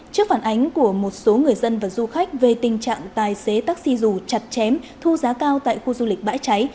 trước phản ánh của một số người dân và du khách về tình trạng tài xế taxi dù chặt chém thu giá cao tại khu du lịch bãi cháy